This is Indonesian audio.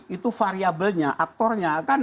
itu variabelnya aktornya akan